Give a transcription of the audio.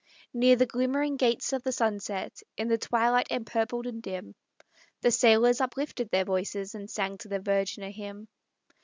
Near the glimmering gates of the sunset, In the twilight empurpled and dim, The sailors uplifted their voices, And sang to the Virgin a hymn.